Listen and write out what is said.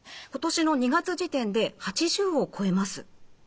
今年の２月時点で８０を超えます。